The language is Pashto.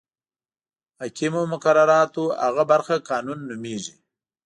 حاکمو مقرراتو هغه برخه قانون نومیږي.